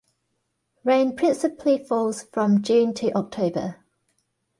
Rain principally falls from June to October.